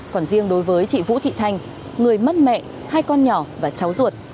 còn riêng đối với chị vũ thị thanh người mất mẹ hai con nhỏ và cháu ruột